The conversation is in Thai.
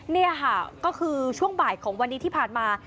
นี่ค่ะก็คือช่วงบ่ายของวันนี้ที่ผ่านมา